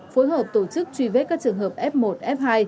phối hợp tổ chức truy vết các trường hợp f một f hai